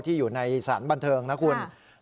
ที่อยู่ในสารบันเทิงนะครับ